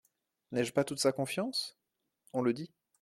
N'ai-je pas toute sa confiance ? On le dit.